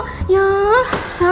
selamat pagi mbak michelle